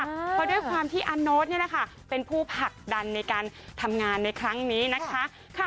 เพราะด้วยความที่อาโน๊ตเป็นผู้ผลักดันในการทำงานในครั้งนี้นะคะ